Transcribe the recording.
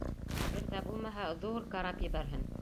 Бер ҙә булмаһа, ҙу-ур карап ебәрһен.